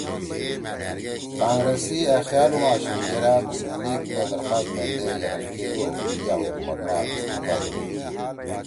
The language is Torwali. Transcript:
کانگرس سی أ خیال ہُم آشُو یرأ مسلم لیگ مے درخواست میندے یرَک کے یو یا حکومت ما استعفاء دو